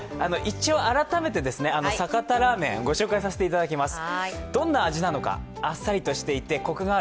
改めて、酒田ラーメン、ご紹介させていただきます。